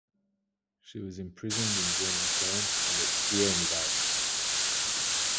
She was imprisoned in German camps at and Skierniewice.